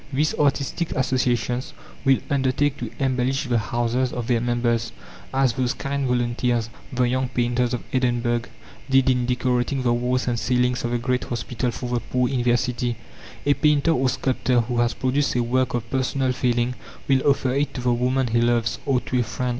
These artistic associations will undertake to embellish the houses of their members, as those kind volunteers, the young painters of Edinburgh, did in decorating the walls and ceilings of the great hospital for the poor in their city. A painter or sculptor who has produced a work of personal feeling will offer it to the woman he loves, or to a friend.